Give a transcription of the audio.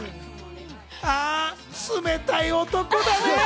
あ、冷たい男だね。